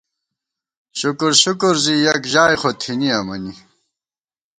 شُکُرشُکُر زی یَک ژائے خو تھنی امَنی